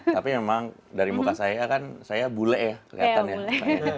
tapi memang dari muka saya kan saya bule ya kelihatan ya